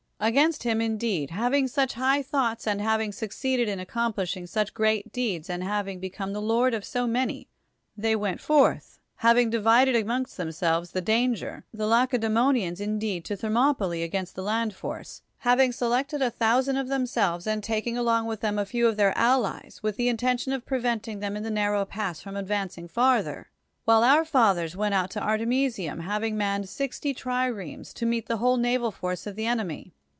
Against him, indeed, ha\ 92 ISOCRATES ing such high thoughts, and having succeeded in accomplishing such great deeds and having be come the lord of so iiany, they went forth, hav ing divided amongst themselves the danger, the Lacedaemonians indeed to Thermopylae against the land force, having selected a thousand of themselves, and taking along with them a few of their allies with the intention of preventing them in the narrow pass from advancing fartlier, while our fathers [went out] to Artemisium, having manned sixty triremes to meet the whole naval force of the enemy.